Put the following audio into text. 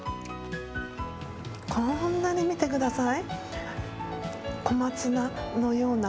こんなに見てください。